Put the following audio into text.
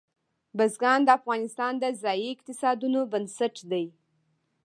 بزګان د افغانستان د ځایي اقتصادونو بنسټ دی.